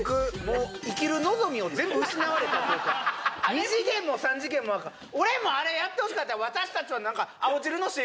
僕もう２次元も３次元もアカン俺もあれやってほしかった「私たちは」